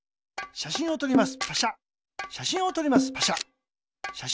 しゃしんをとります。